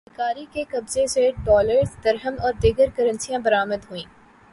بھکاری کے قبضے سے ڈالرز، درہم اور دیگر کرنسیاں برآمد ہوئیں